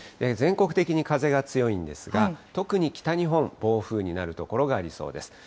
全国的に風が強いんですが、特に北日本、暴風になる所がありそうです。